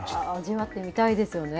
味わってみたいですよね。